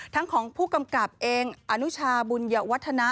ทั้งของผู้กำกับเองอนุชาบุญวัฒนะ